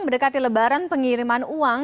berdekat di lebaran pengiriman uang